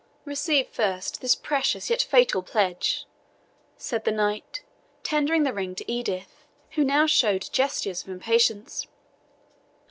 "Receive, first, this precious yet fatal pledge," said the knight, tendering the ring to Edith, who now showed gestures of impatience.